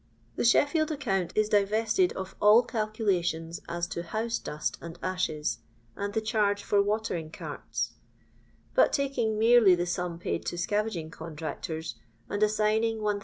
The Sheffield account is divested of all calcula tions as to house dust and ashes, and the charge for watering carts ; but, taking merely the sum paid to scavaging contractors, and assigning 1000